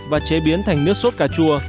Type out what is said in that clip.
và chế biến thành nước sốt cà chua